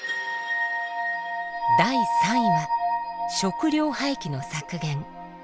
第３位は「食料廃棄の削減」。